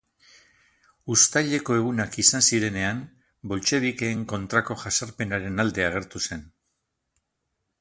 Uztaileko Egunak izan zirenean, boltxebikeen kontrako jazarpenaren alde agertu zen.